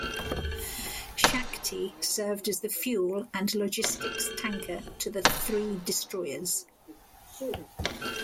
"Shakti" served as the fuel and logistics tanker to the three destroyers.